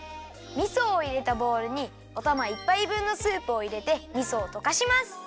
みそをいれたボウルにおたま１ぱい分のスープをいれてみそをとかします！